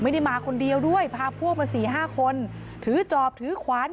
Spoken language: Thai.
ไม่ได้มาคนเดียวด้วยพาพวกมาสี่ห้าคนถือจอบถือขวาน